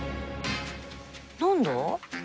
何だ？